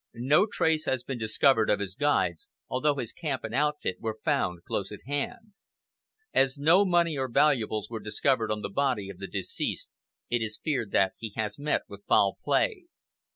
No trace has been discovered of his guides, although his camp and outfit were found close at hand. As no money or valuables were discovered on the body of the deceased, it is feared that he has met with foul play."